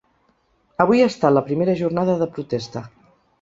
Avui ha estat la primera jornada de protesta.